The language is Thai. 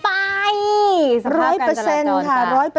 สภาพการจำลักษณะจนครับร้อยเปอร์เซ็นต์จริงครับสภาพการจำลักษณะจนครับ